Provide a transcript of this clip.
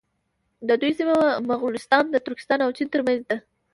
د دوی سیمه مغولستان د ترکستان او چین تر منځ ده.